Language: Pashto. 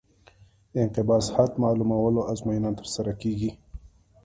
د انقباض حد معلومولو ازموینه ترسره کیږي